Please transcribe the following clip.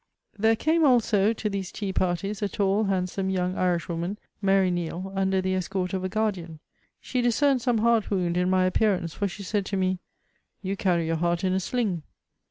There came also to these tea parties a tall, handsome, young Irishwoman, Mary Neale, imder the escort of a guardian. She discerned some heart wound in my appearance, for she said to me :" You carry your heart in a sling."